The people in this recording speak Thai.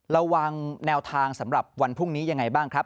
ระวังแนวทางสำหรับวันพรุ่งนี้ยังไงบ้างครับ